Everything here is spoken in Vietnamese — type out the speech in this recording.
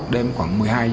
đêm khoảng một mươi hai h